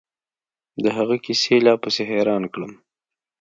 د هغه کيسې لا پسې حيران کړم.